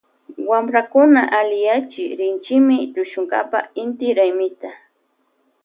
Wamprakuna alliyachi rinchimi tushunkapa inti raymita.